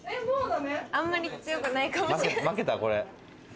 あんまり強くないかもしれないけど。